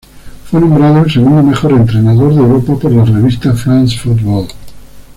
Fue nombrado el segundo mejor entrenador de Europa por la revista "France Football".